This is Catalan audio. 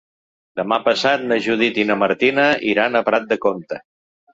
Demà passat na Judit i na Martina iran a Prat de Comte.